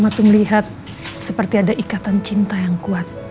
mama tuh melihat seperti ada ikatan cinta yang kuat